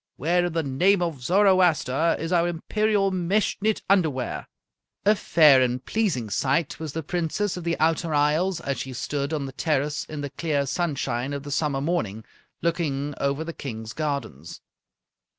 Where in the name of Zoroaster is our imperial mesh knit underwear?" A fair and pleasing sight was the Princess of the Outer Isles as she stood on the terrace in the clear sunshine of the summer morning, looking over the King's gardens.